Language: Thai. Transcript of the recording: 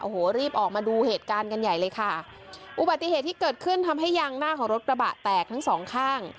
โอ้โหรีบออกมาดูเหตุการณ์กันใหญ่เลยค่ะอุบัติเหตุที่เกิดขึ้นทำให้ยางหน้าของรถกระบะแตกทั้งสองข้าง